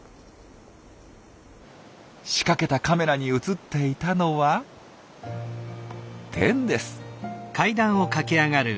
仕掛けたカメラに映っていたのはテンです！